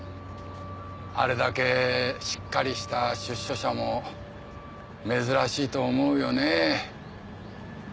あれだけしっかりした出所者も珍しいと思うよね。